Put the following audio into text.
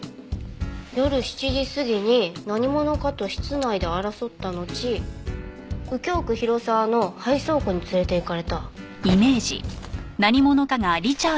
夜７時過ぎに何者かと室内で争ったのち右京区広沢の廃倉庫に連れていかれた。